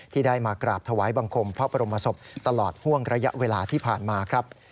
ที่ได้มากราบถวายบังคมพระบรมศพตลอดห่วงระยะเวลาที่ผ่านมาครับ